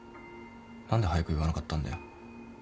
何で早く言わなかったんだよ。